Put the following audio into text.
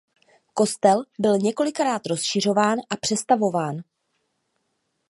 Kostel byl několikrát rozšiřován a přestavován.